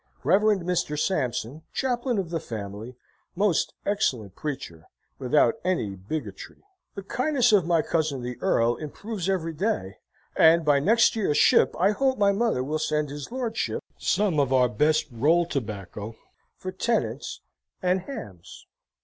Reverend Mr. Sampson, chaplain of the famaly, most excellent preacher, without any biggatry. "The kindness of my cousin the Earl improves every day, and by next year's ship I hope my mother will send his lordship some of our best roll tobacco (for tennants) and hamms.